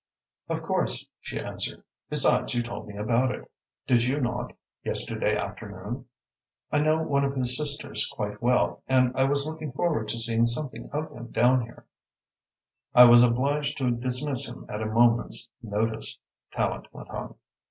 "Of course," she answered. "Besides, you told me about it, did you not, yesterday afternoon? I know one of his sisters quite well, and I was looking forward to seeing something of him down here." "I was obliged to dismiss him at a moment's notice," Tallente went on.